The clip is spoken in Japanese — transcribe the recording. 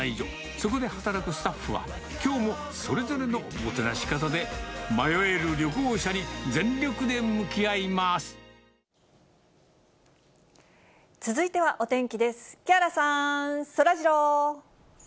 そこで働くスタッフは、きょうもそれぞれのもてなし方で、迷える旅行者に全力で向き合いま木原さん、そらジロー。